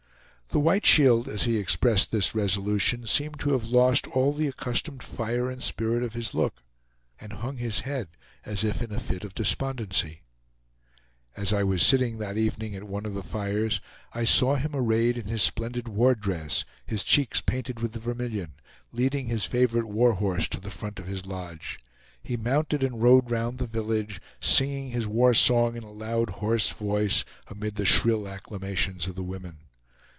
The White Shield, as he expressed this resolution, seemed to have lost all the accustomed fire and spirit of his look, and hung his head as if in a fit of despondency. As I was sitting that evening at one of the fires, I saw him arrayed in his splendid war dress, his cheeks painted with vermilion, leading his favorite war horse to the front of his lodge. He mounted and rode round the village, singing his war song in a loud hoarse voice amid the shrill acclamations of the women.